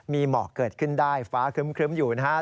มีหมอกเกิดขึ้นได้ฟ้าครึ้มอยู่นะครับ